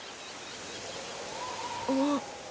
あっ。